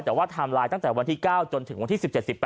แต่ว่าไทม์ไลน์ตั้งแต่วันที่๙จนถึงวันที่๑๗๑๘